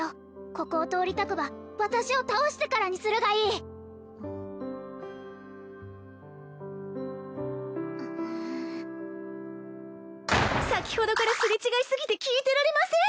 ここを通りたくば私を倒してからにするがいい先ほどからすれ違いすぎて聞いてられません！